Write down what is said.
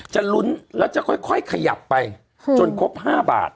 จะลุ้นแล้วจะค่อยขยับไปจนครบ๕บาท